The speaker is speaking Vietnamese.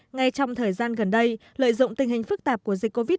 ngay trong thời gian gần đây lợi dụng tình hình phức tạp của dịch covid một mươi chín